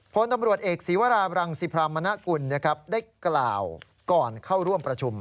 พลตำรวจเอกศีวราบรังสิพรามณกุลได้กล่าวก่อนเข้าร่วมประชุม